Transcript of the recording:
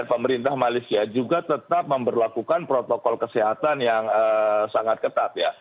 pemerintah malaysia juga tetap memperlakukan protokol kesehatan yang sangat ketat ya